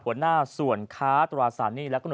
ผลหน้าส่วนค้าตราสันนี่และวัตถุล